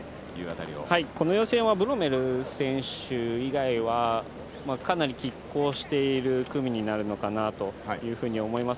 この予選はブロメル選手以外はかなり拮抗している組になるのかなというふうに思います。